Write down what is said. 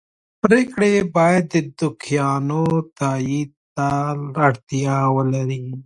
پرېکړې یې باید د دوکیانو تایید ته اړتیا ولري